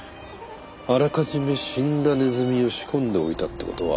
あらかじめ死んだネズミを仕込んでおいたって事は。